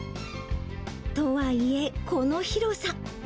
とはいえ、この広さ。